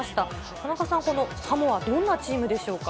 田中さん、このサモア、どんなチームでしょうか。